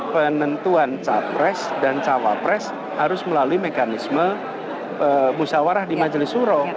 penentuan capres dan cawapres harus melalui mekanisme musyawarah di majelis suro